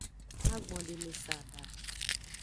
Magbondeme saba.